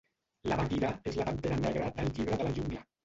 La Baguira és la pantera negra del Llibre de la Jungla.